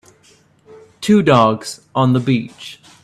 Two dogs on the beach.